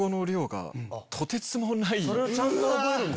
それをちゃんと覚えるんだ。